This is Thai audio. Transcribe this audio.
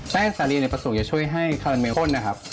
แป้งสารีในประสูรอย่าช่วยให้คาราเมลข้นนะครับ